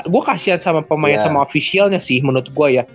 gue kasian sama pemain sama ofisialnya sih menurut gue ya